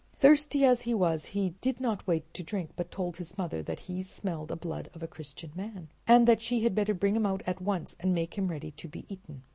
Thirsty as he was, he did not wait to drink, but he told his mother that he smelled the blood of a Christian man, and that she had better bring him out at once and make him ready to be eaten.